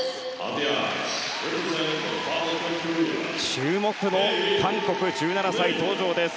注目の韓国１７歳登場です。